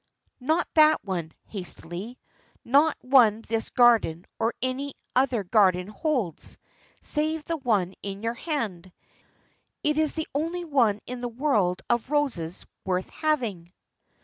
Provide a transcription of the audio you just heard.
"Not that one," hastily. "Not one this garden, or any other garden holds, save the one in your hand. It is the only one in the world of roses worth having."